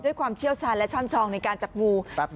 ด้วยความเชี่ยวชาญและช่ำชองในการจับงู